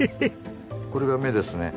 これが目ですね。